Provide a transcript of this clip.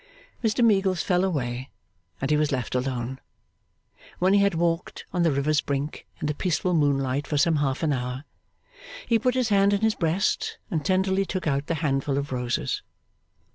Mr Meagles fell away, and he was left alone. When he had walked on the river's brink in the peaceful moonlight for some half an hour, he put his hand in his breast and tenderly took out the handful of roses.